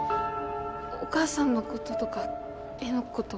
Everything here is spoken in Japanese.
お母さんのこととか絵のこと